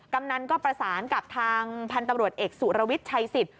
กำนันก็ประสานกับทางพันธบริกษฐ์เอกสุรวิชชัยศิษฐ์